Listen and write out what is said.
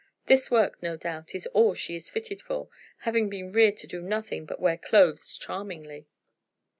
This work, no doubt, is all she is fitted for, having been reared to do nothing but wear clothes charmingly."